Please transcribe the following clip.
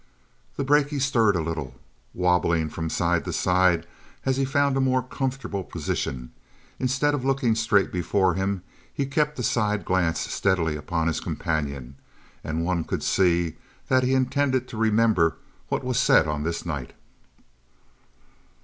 The brakie stirred a little, wabbling from side to side as he found a more comfortable position; instead of looking straight before him, he kept a side glance steadily upon his companion, and one could see that he intended to remember what was said on this night.